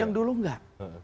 yang dulu enggak